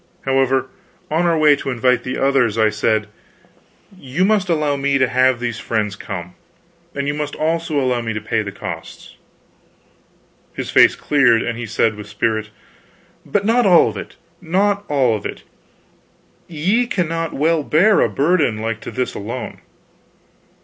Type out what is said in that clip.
However, on our way to invite the others, I said: "You must allow me to have these friends come; and you must also allow me to pay the costs." His face cleared, and he said with spirit: "But not all of it, not all of it. Ye cannot well bear a burden like to this alone."